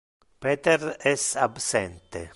Peter es absente.